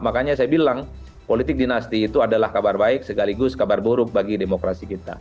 makanya saya bilang politik dinasti itu adalah kabar baik segaligus kabar buruk bagi demokrasi kita